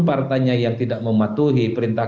partainya yang tidak mematuhi perintah